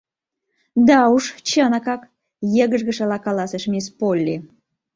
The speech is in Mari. Да уж, чынакак! — йыгыжгышыла каласыш мисс Полли.